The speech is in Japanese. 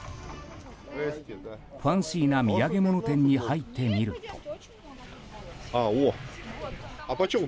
ファンシーな土産物店に入ってみると。